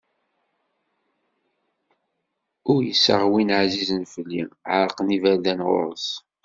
Uyseɣ win ɛzizen fell-i, ɛerqen yiberdan ɣur-s.